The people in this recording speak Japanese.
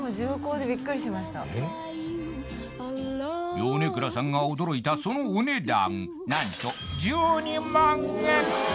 米倉さんが驚いたそのお値段何と１２万円！